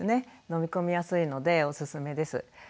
飲み込みやすいのでおすすめです。